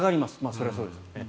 それはそうですよね。